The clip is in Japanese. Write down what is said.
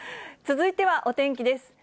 続いてはお天気です。